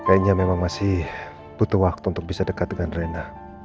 kayaknya memang masih butuh waktu untuk bisa dekat dengan rena